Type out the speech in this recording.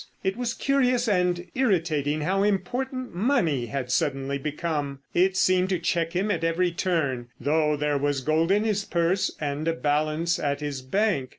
It was curious and irritating how important money had suddenly become. It seemed to check him at every turn—though there was gold in his purse and a balance at his bank.